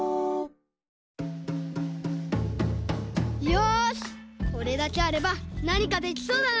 よしこれだけあればなにかできそうだな。